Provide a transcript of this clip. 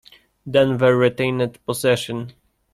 Denver retained possession.